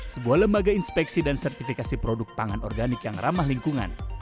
sebuah lembaga inspeksi dan sertifikasi produk pangan organik yang ramah lingkungan